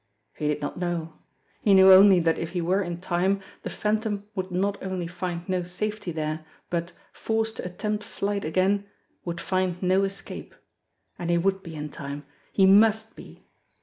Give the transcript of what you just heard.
He did not know. He knew only that if he were in time the Phantom would not only find no safety there, but, forced to attempt flight again, would find no escape. And he would be in time ! He must be